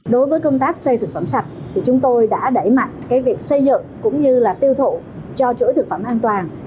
đối với công tác xây thực phẩm sạch thì chúng tôi đã đẩy mạnh cái việc xây dựng cũng như là tiêu thụ cho chuỗi thực phẩm an toàn